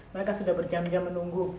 mereka sudah berjam jam menunggu